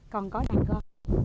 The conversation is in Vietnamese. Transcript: còn có đàn gong